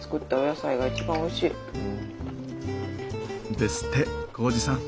ですって紘二さん。